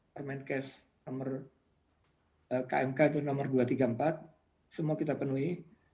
permenkes nomor kmk itu nomor dua ratus tiga puluh empat semua kita penuhi